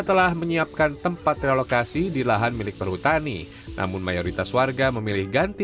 telah menyiapkan tempat relokasi di lahan milik perhutani namun mayoritas warga memilih ganti